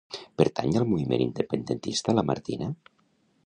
Pertany al moviment independentista la Martina?